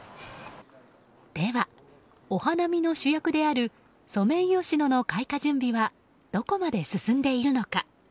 では、お花見の主役であるソメイヨシノの開花準備はどこまで進んでいるのか。